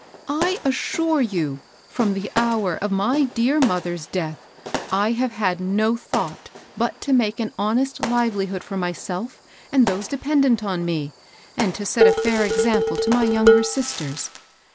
I assure you, from the hour of my dear mother's deaths I have had no thought but to make an honest livelihood for my self and those dependent on me, and to set a fiur Example to my younger sisters.